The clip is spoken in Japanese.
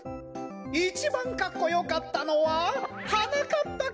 いちばんかっこよかったのははなかっぱくんです！